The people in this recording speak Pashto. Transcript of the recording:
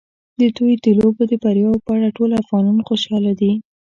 د دوی د لوبو د بریاوو په اړه ټول افغانان خوشاله دي.